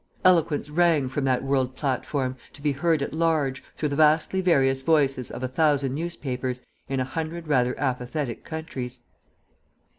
Eloquence rang from that world platform, to be heard at large, through the vastly various voices of a thousand newspapers, in a hundred rather apathetic countries.